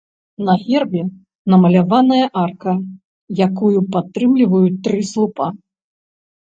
На гербе намаляваная арка, якую падтрымліваюць тры слупа.